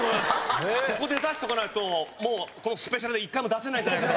ここで出しとかないともうこのスペシャルで一回も出せない可能性が。